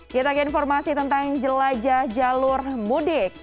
kita ke informasi tentang jelajah jalur mudik